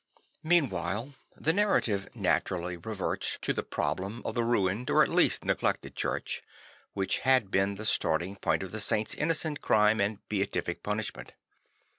Meanwhile the narrative naturally reverts to the problem of the ruined or at least neglected church, which had been the starting point of the saint's innocent crime and bea tific punish ment.